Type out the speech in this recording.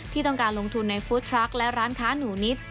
ที่ต้องการลงทุนในฟู้ดทรัคและร้านค้าหนูนิด